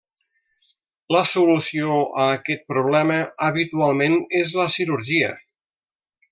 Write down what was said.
La solució a aquest problema habitualment és la cirurgia.